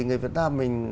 người việt nam mình